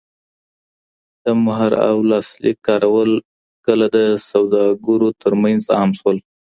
د مهر او لاسلیک کارول کله د سوداګرو تر منځ عام سول؟